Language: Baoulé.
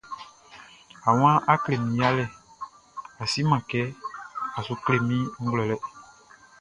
A wan, a klɛ mi yalɛ, a si man kɛ, a sou klɛ mi nʼglouɛlɛ.